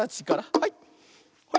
はい。